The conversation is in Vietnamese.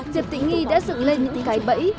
diệp tịnh nghi đã dựng lên những cái bẫy